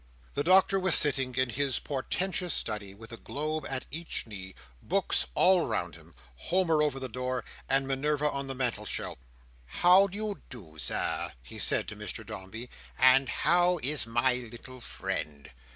The Doctor was sitting in his portentous study, with a globe at each knee, books all round him, Homer over the door, and Minerva on the mantel shelf. "And how do you do, Sir?" he said to Mr Dombey, "and how is my little friend?"